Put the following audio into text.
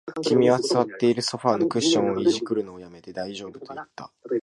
君は座っているソファーのクッションを弄るのを止めて、大丈夫と言った